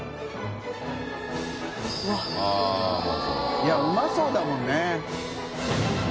いうまそうだもんね。